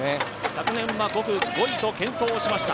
昨年は５区、５位と健闘しました。